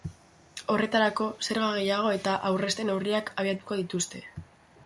Horretarako, zerga gehiago eta aurrezte neurriak abiatuko dituzte.